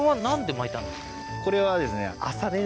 これはですね